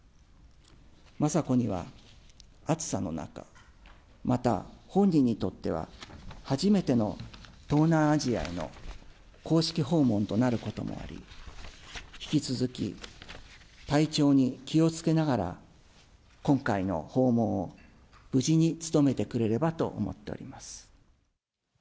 雅子には、暑さの中、また本人にとっては、初めての東南アジアへの公式訪問となることもあり、引き続き体調に気をつけながら、今回の訪問を無事に務めてくれればと思っております。